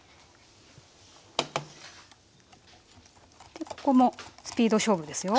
でここもスピード勝負ですよ。